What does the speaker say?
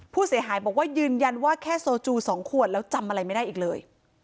ผู้เสียหายบอกว่ายืนยันว่าแค่โซจู๒ขวดแล้วจำอะไรไม่ได้อีกเลย